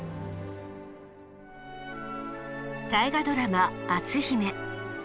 大河ドラマ「篤姫」。